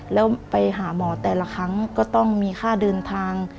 แล้วไปหาหมอแต่ละครั้งก็ต้องมีค่าเดินทาง